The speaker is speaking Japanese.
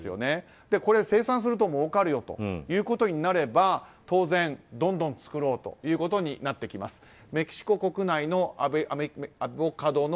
これ、生産すると儲かるよということになれば当然、どんどん作ろうということになってきます。